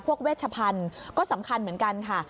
เวชพันธุ์ก็สำคัญเหมือนกันค่ะ